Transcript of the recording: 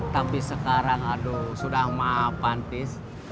tapi sekarang aduh sudah mapantis